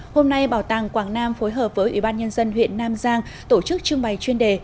hôm nay bảo tàng quảng nam phối hợp với ủy ban nhân dân huyện nam giang tổ chức trưng bày chuyên đề